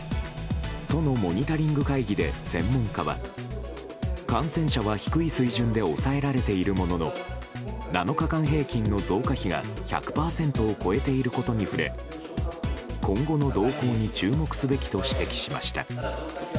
都のモニタリング会議で専門家は感染者は低い水準で抑えられているものの７日間平均の増加比が１００％を超えていることに触れ今後の動向に注目すべきと指摘しました。